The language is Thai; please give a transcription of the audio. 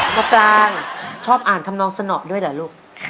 มะปรางชอบอ่านทำนองสนอด้วยเหรอลูก